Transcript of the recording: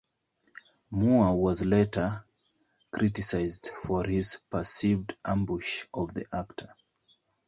Moore was later criticized for his perceived "ambush" of the actor.